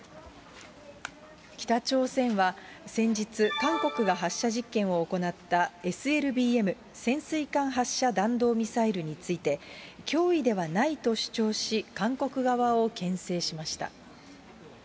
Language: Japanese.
北朝鮮は、先日、韓国が発射実験を行ったＳＬＢＭ・潜水艦発射弾道ミサイルについて、脅威ではないと主張し、韓国側をけん制しました。